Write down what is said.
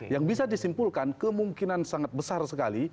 yang bisa disimpulkan kemungkinan sangat besar sekali